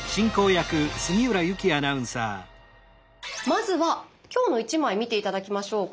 まずは今日の１枚見て頂きましょう。